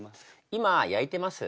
今焼いてます。